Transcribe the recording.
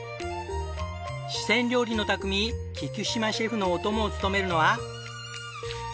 四川料理の匠菊島シェフのお供を務めるのは。